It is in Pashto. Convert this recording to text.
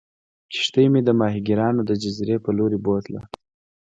کښتۍ مې د ماهیګیرانو د جزیرې په لورې بوتله.